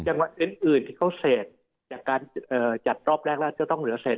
จังหวัดอื่นที่เขาเสพจากการจัดรอบแรกแล้วจะต้องเหลือเศษ